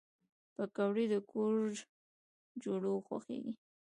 پکورې د کور جوړو خوښېږي